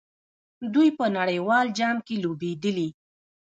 دوی په نړیوال جام کې لوبېدلي.